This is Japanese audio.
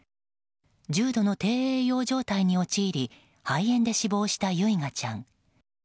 重度の低栄養状態に陥り肺炎で死亡した唯雅ちゃん。